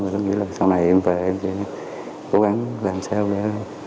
rồi tôi nghĩ là sau này em về em sẽ cố gắng làm sao để